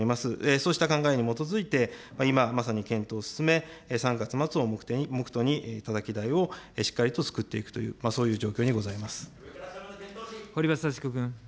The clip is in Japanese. そうした考えに基づいて、今、まさに検討を進め、３月末を目途にたたき台をしっかりとつくっていくという、堀場幸子君。